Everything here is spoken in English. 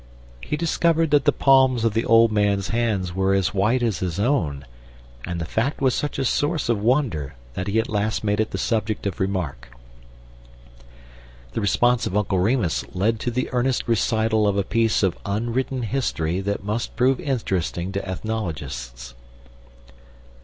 He discovered that the palms of the old man's hands were as white as his own, and the fact was such a source of wonder that he at last made it the subject of remark. The response of Uncle Remus led to the earnest recital of a piece of unwritten history that must prove interesting to ethnologists.